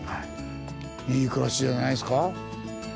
いい暮らしじゃないですか。